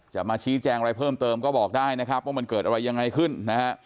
จะมาชี้แจงอะไรเพิ่มเติมก็บอกได้นะครับว่ามันเกิดอะไรยังไงขึ้นนะฮะ